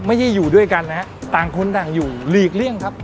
อยู่ด้วยกันนะฮะต่างคนต่างอยู่หลีกเลี่ยงครับ